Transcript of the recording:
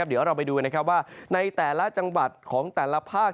เดี๋ยวเราไปดูว่าในแต่ละจังหวัดของแต่ละภาค